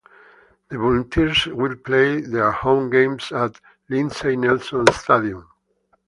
The Volunteers will play their home games at Lindsey Nelson Stadium.